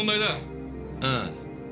ああ。